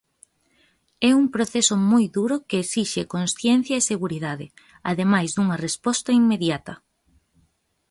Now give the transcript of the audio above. É un proceso moi duro que exixe consciencia e seguridade, ademais dunha resposta inmediata.